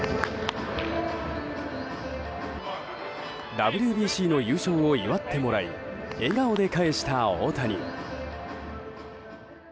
ＷＢＣの優勝を祝ってもらい笑顔で返した大谷。